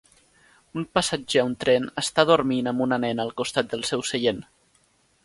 Un passatger a un tren està dormint amb una nena al costat del seu seient.